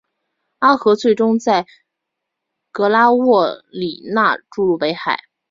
阿河最终在格拉沃利讷注入北海。